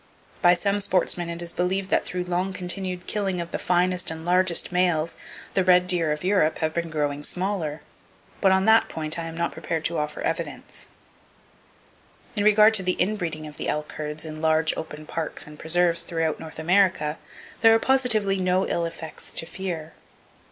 By some sportsmen it is believed that through long continued killing of the finest and largest males, the red deer of Europe have been growing smaller; but on that point I am not prepared to offer evidence. [Page 169] In regard to the in breeding of the elk herds in large open parks and preserves throughout North America, there are positively no ill effects to fear.